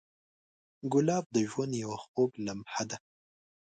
ګلاب د ژوند یو خوږ لمحه ده.